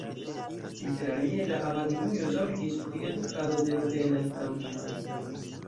Interalie la abatinujo zorgis pri edukado de nobelaj fraŭlinoj.